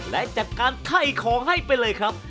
และจัดการไถ่ของให้ไปเลยครับ